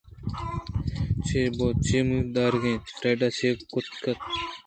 چے بوت؟ چے اُمیت دارگی اِنت؟ فریڈاءَ چے کُت کُت